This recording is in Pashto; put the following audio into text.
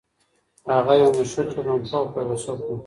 هغه يو مشهور ټولنپوه او فيلسوف و.